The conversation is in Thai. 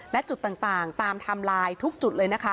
และจุดต่างตามไทม์ไลน์ทุกจุดเลยนะคะ